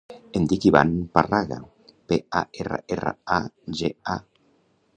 Em dic Ivan Parraga: pe, a, erra, erra, a, ge, a.